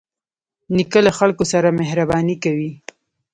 نیکه له خلکو سره مهرباني کوي.